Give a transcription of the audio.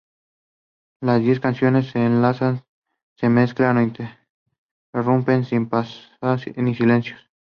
Participation is by invitation only.